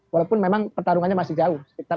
walaupun memang pertarungannya masih jauh